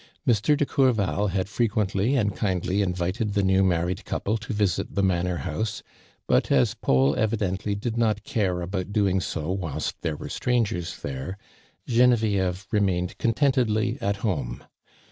Mr. de Courval had fre (juently and kindly invited the new mar ried couple to , '.sit the manor house, but as Paul evidently did not care about doing so whilst there were strangers there, Genevieve remained contentedly at home.